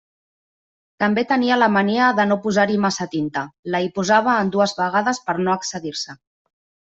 També tenia la mania de no posar-hi massa tinta: la hi posava en dues vegades per no excedir-se.